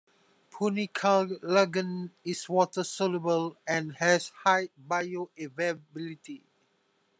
Punicalagin is water-soluble and has high bioavailability.